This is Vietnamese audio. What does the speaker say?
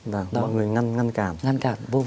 mọi người ngăn cản